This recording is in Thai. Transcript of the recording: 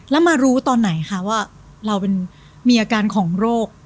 แล้วมารู้ตอนไหนคะว่าเรามีอาการของโรค